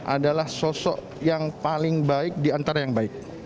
adalah sosok yang paling baik diantara yang baik